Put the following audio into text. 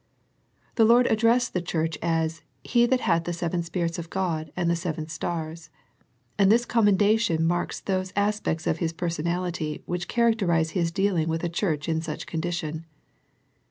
The Lord addressed the church as " He that hath the seven Spirits of God, and the seven stars," and this commendation marks those as pects of His personality which characterize His dealing with a church in such condition.